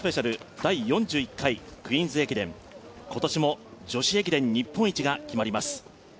第４１回クイーンズ駅伝、今年も女子駅伝日本一が決まります。